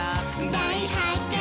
「だいはっけん」